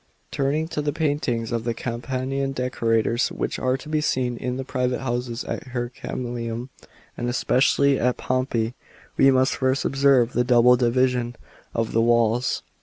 Turning to the paintings of the Campanian decorators, which are to be seen in the private houses at Herculaneum and especially at Pompeii, we must first observe the double division of the walls.